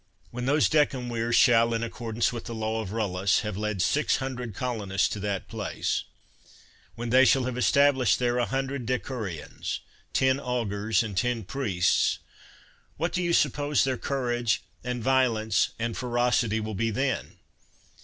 When those decemvirs shall, in accordance with the law of Kullus, have led six hundred col onists to that place ; when they shall have estab lished there a hundred decurions, ten augurs, and six priests, what do you suppose their cour age, and violence, and ferocity will be then?